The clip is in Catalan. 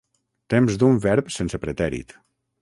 Temps d'un verb sense pretèrit.